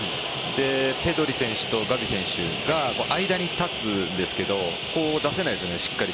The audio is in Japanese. ペドリ選手とガヴィ選手が間に立つんですけど出せないですよね。